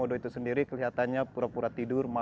kalau k coy itu sendiri kelihatannya pura pura tidur malas